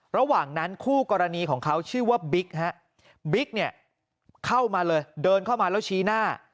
ระหว่างนั้นคู่กรณีของเขาชื่อว่าบิ๊กฮะบิ๊กเนี่ยเข้ามาเลยเดินเข้ามาแล้วชี้หน้า